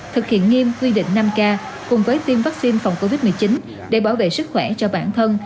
thực hiện nghiêm quy định năm k cùng với tiêm vaccine phòng covid một mươi chín để bảo vệ sức khỏe cho bản thân